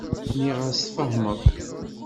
Nniɣ-as tfehmeḍ.